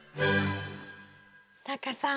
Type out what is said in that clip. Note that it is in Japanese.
タカさん